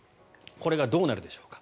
これがどうなるでしょうか。